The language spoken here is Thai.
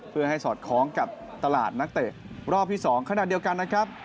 เพื่อให้สอดคล้องกับตลาดนักเตะรอบที่๒ขณะเดียวกันนะครับ